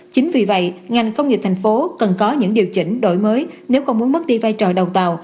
chính vì vậy ngành công nghiệp thành phố cần có những điều chỉnh đổi mới nếu không muốn mất đi vai trò đầu tàu